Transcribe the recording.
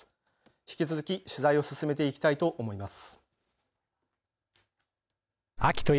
引き続き取材を進めていきたいと思います。